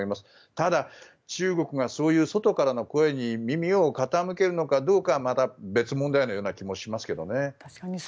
ただ、中国がそういう外からの声に耳を傾けるのかどうかはまた別問題のような気がしますけどね。